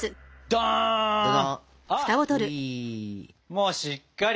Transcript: もうしっかり。